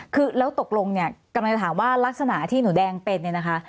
คือแล้วตกลงเนี่ยกำลังจะถามว่ารักษณะที่หนูแดงเป็นเนี่ยนะคะ